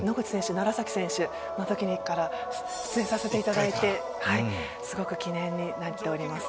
楢選手のときから出演させていただいてすごく記念になっております